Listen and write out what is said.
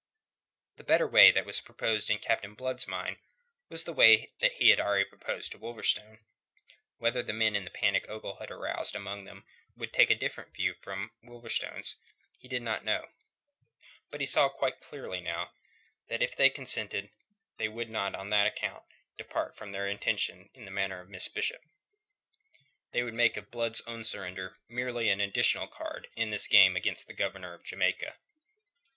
The better way that was in Captain Blood's mind was the way that already he had proposed to Wolverstone. Whether the men in the panic Ogle had aroused among them would take a different view from Wolverstone's he did not know. But he saw quite clearly now that if they consented, they would not on that account depart from their intention in the matter of Miss Bishop; they would make of Blood's own surrender merely an additional card in this game against the Governor of Jamaica.